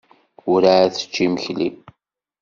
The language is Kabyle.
Werɛad tečči imekli.